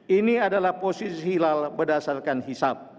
ini adalah posisi hilal berdasarkan hisap